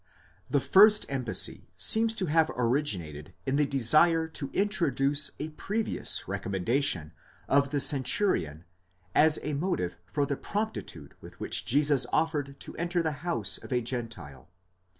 The first embassy seems to have originated in the desire to introduce a previous recommendation of the centurion as a motive for the promptitude with which Jesus offered to enter the house of a Gentile.